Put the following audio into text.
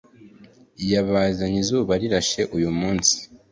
Yabazanye izuba rirashe uyumunsi